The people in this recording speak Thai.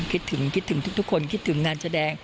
คิดถึงคิดถึงทุกคนคิดถึงงานแสดง